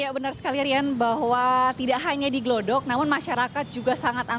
iya benar sekali rian bahwa tidak hanya di glodok namun masyarakat juga sangat menarik di sana